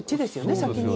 先に。